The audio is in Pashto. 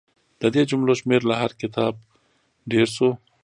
د دې جملو شمېر له هر کتاب ډېر شو.